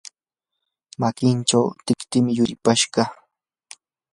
makinchaw tiktim yuripashqa.